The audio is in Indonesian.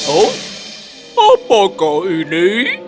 oh apakah ini